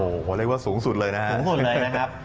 โอ้โหเรียกว่าสูงสุดเลยนะฮะสูงสุดเลยนะครับ